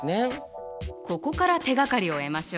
ここから手がかりを得ましょう。